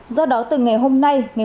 do đó từ ngày hôm nay